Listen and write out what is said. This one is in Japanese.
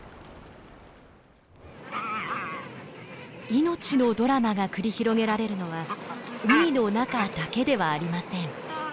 命のドラマが繰り広げられるのは海の中だけではありません。